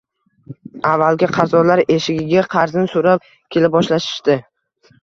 Avvalgi qarzdorlar eshigiga qarzni soʻrab kela boshlashdi.